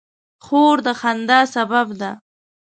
خور د خندا سبب ده.